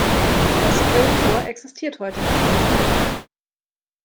Das Kölntor existiert heute nicht mehr.